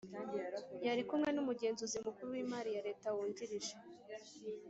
Yari kumwe n’Umugenzuzi Mukuru w’Imari ya Leta Wungirije